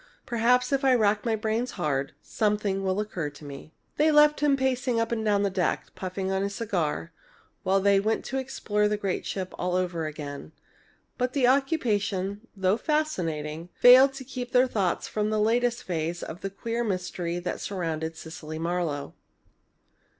Perhaps, if I rack my brains hard, something will occur to me." They left him pacing up and down on the deck, puffing at his cigar, while they went to explore the great ship all over again. But the occupation, though fascinating, failed to keep their thoughts from the latest phase of the queer mystery that surrounded Cecily Marlowe.